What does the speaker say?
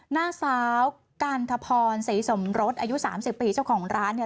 หน้าซ้าวการทะพรสีสมรสอายุสามสิบปีเจ้าของร้านเนี่ย